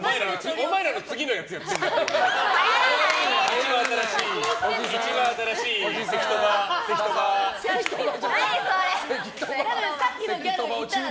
お前らの次のやつやってんだから！